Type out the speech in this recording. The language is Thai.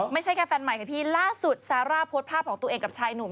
ไม่ใช่แค่แฟนใหม่ค่ะพี่ล่าสุดซาร่าโพสต์ภาพของตัวเองกับชายหนุ่ม